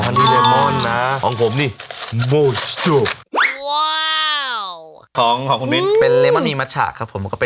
นี่ของมีเลมอนด้วย